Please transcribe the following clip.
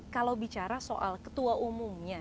kalau bicara soal ketua umumnya